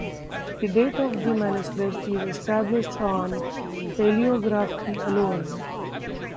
The date of the manuscript is established on paleography alone.